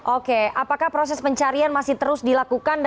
oke apakah proses pencarian masih terus dilakukan